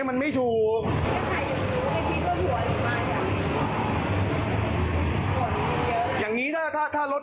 ก็ทำมาจากร้านหนึ่งอ่ะ